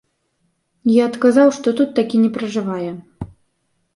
Я адказаў, што тут такі не пражывае.